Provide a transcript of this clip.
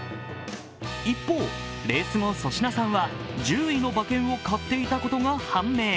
一方、レース後粗品さんは１０位の馬券を買っていたことが判明。